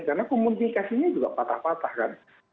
karena komunikasinya juga patah patah kan